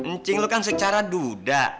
ncing lo kan secara duda